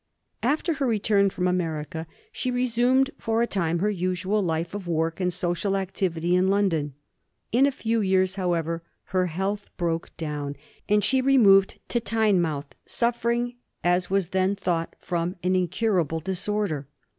After her return from America she resumed for a time her usual life of work and social activity in London. In a few years, however, her health broke down, and she removed to Tynemouth, suffering, as was then thought, from an incurable disorder.